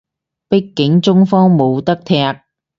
畢竟中國冇得踢